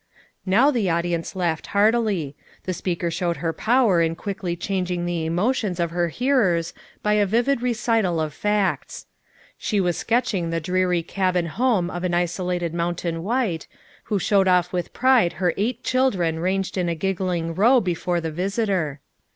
Now the audience laughed heartily. The speaker showed her power in quickly changing the emotions of her hearers by a vivid recital of facts. She was sketching the dreary cabin home of an isolated mountain white, who sliowed off with pride her eight children ranged in a giggling row before the visitor.